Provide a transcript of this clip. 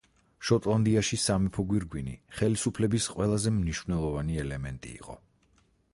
შოტლანდიაში სამეფო გვირგვინი, ხელისუფლების ყველაზე მნიშვნელოვანი ელემენტი იყო.